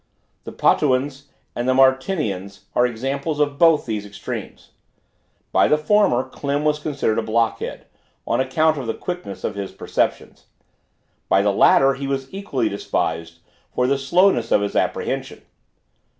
The Potuans and Martinians are examples of both these extremes. By the former Klim was considered a blockhead, on account of the quickness of his perceptions; by the latter he was equally despised for the slowness of his apprehension.